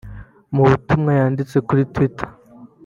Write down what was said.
Mu butumwa yanditse kuri Twitter